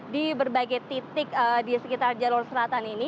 di berbagai titik di sekitar jalur selatan ini